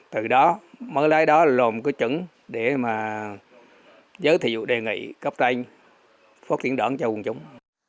từ đó mới lấy đó lồn cái chứng để mà giới thiệu đề nghị cấp tranh phát triển đảng cho quân chúng